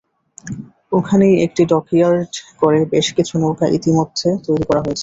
ওখানেই একটি ডকইয়ার্ড করে বেশ কিছু নৌকা ইতিমধ্যে তৈরি করা হয়েছে।